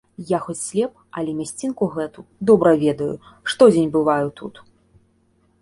Я хоць слеп, але мясцінку гэту добра ведаю, штодзень бываю тут.